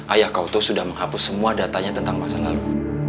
ayah kaoto sudah menghapus semua datanya tentang masa lalu